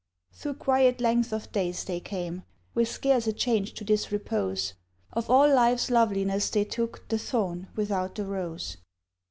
Through quiet lengths of days they came, With scarce a change to this repose; Of all life's loveliness they took The thorn without the rose.